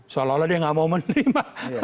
seolah olah dia nggak mau menerima